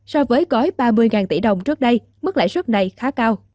so với gói ba mươi tỷ đồng trước đây mức lãi suất này khá cao